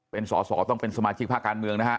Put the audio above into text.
เป็นสอสอต้องเป็นสมาชิกภาคการเมืองนะฮะ